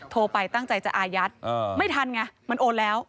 โทรไปตั้งใจจะอายัดไม่ทันไงมันโอนแล้ว